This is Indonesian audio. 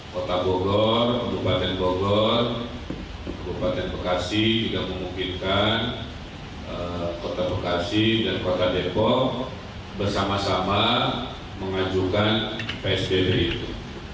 kota bogor kabupaten bogor kabupaten bekasi juga memungkinkan kota bekasi dan kota depok bersama sama mengajukan psbb itu